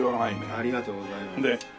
ありがとうございます。